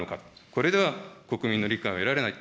これでは国民の理解は得られない。